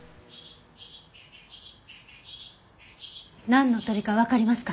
なんの鳥かわかりますか？